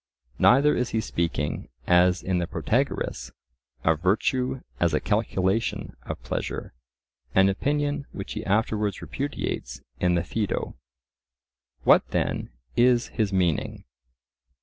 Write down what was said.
Neither is he speaking, as in the Protagoras, of virtue as a calculation of pleasure, an opinion which he afterwards repudiates in the Phaedo. What then is his meaning?